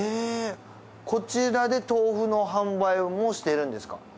こちらで豆腐の販売もしてるんですか？